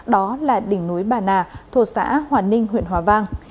đó là đỉnh núi bà nà thuộc xã hòa ninh huyện hòa vang